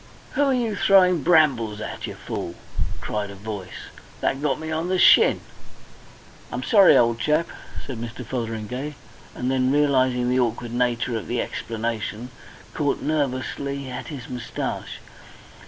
"Who are you throwing brambles at, you fool?" cried a voice. "That got me on the shin." "I'm sorry, old chap," said Mr. Fotheringay, and then, realising the awkward nature of the explanation, caught nervously at his moustache.